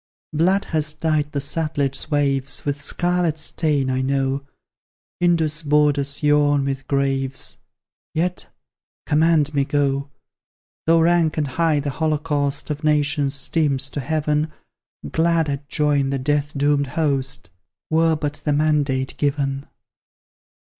Blood has dyed the Sutlej's waves With scarlet stain, I know; Indus' borders yawn with graves, Yet, command me go! Though rank and high the holocaust Of nations steams to heaven, Glad I'd join the death doomed host, Were but the mandate given.